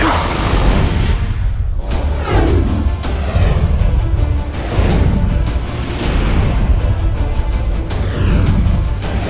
bagaimanapun caranya aku harus keluar dari sini